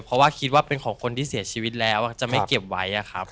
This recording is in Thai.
เพราะว่าคิดว่าเป็นของคนที่เสียชีวิตแล้วจะไม่เก็บไว้ครับ